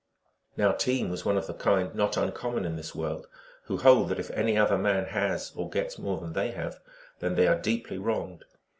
Now Team was one of the kind not uncommon in this world, who hold that if any other man has or gets more than they have, then they are deeply wronged.